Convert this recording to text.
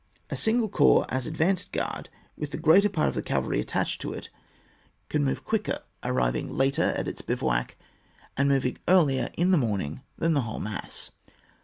A single corps as advanced g^ard, with the greater part of the cavalry attached to it, can move quicker, arriving later at its bivouac, and moving earlier in the morning than the whole mass.